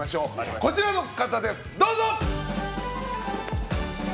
こちらの方です、どうぞ！